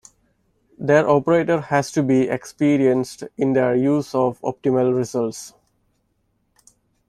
Their operator has to be experienced in their use for optimal results.